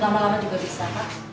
lama lama juga bisa